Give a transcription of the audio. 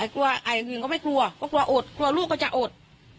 กลัวไอหนึ่งก็ไม่กลัวก็กลัวอดกลัวลูกก็จะอด